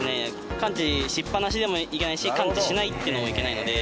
感知しっぱなしでもいけないし感知しないっていうのもいけないので。